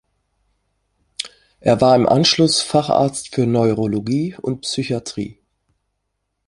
Er war im Anschluss Facharzt für Neurologie und Psychiatrie.